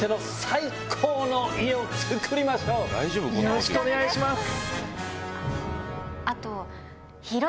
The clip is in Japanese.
よろしくお願いします。